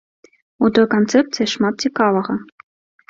У той канцэпцыі шмат цікавага.